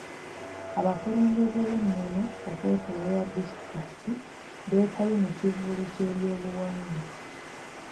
Abakulembeze b'ennono okwetoloola disitulikiti beetabye mu kivvulu ky'ebyobuwangwa.